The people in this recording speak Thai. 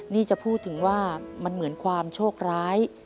นี่จะพูดถึงว่ามันเหมือนความโชคร้าย